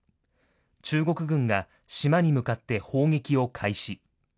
中国軍が島に向かって砲撃を開始。